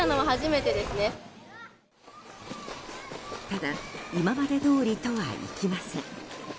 ただ、今までどおりとはいきません。